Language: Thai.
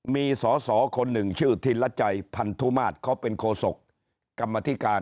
มีสอสอคนหนึ่งชื่อธิรจัยพันธุมาตรเขาเป็นโคศกกรรมธิการ